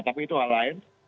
tapi itu hal lain